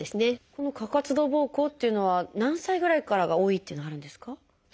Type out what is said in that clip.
この過活動ぼうこうというのは何歳ぐらいからが多いっていうのはあるんですか？